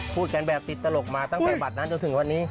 พูดกันแบบติดตลกมาตั้งแต่บัตรนั้นจนถึงวันนี้